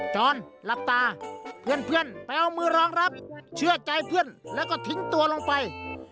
จรหลับตาเพื่อนไปเอามือรองรับเชื่อใจเพื่อนแล้วก็ทิ้งตัวลงไป